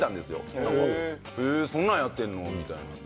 そんなんやってんの？みたいな。